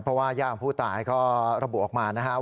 เพราะว่าย่าของผู้ตายก็ระบุออกมานะครับ